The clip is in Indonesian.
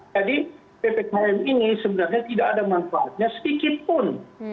jadi ppkm ini sebenarnya tidak ada manfaatnya sedikit pun